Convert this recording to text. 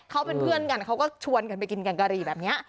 เขาเป็นเพื่อนกันเขาก็ชวนกันไปกินแกงกะหรี่แบบนี้